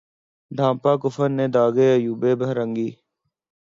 ڈھانپا کفن نے داغِ عیوبِ برہنگی